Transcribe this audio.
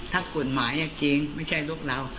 ถ้ากฎหมายจริงไม่ใช่ลูกเรา